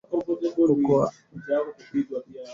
Ukuaji wa Biashara